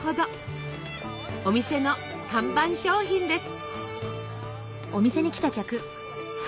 お店の看板商品です。